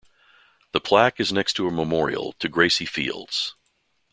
The plaque is next to a memorial to Gracie Fields.